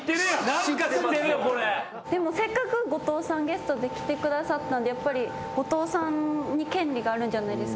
でもせっかく後藤さんゲストで来てくださったんでやっぱり後藤さんに権利があるんじゃないですか？